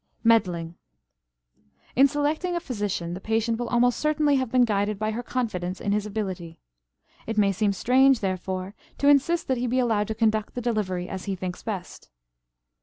MEDDLING. In selecting a physician the patient will almost certainly have been guided by her confidence in his ability. It may seem strange, therefore, to insist that he be allowed to conduct the delivery as he thinks best.